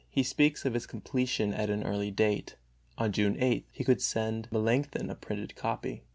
he speaks of its completion at an early date, and on June 8. he could send Melanchthon a printed copy.